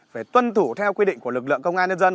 phải tuân thủ theo quy định của lực lượng công an nhân dân